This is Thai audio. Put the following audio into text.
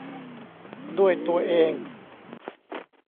ด้วยตัวเอง